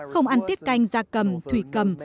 không ăn tiết canh da cầm thủy cầm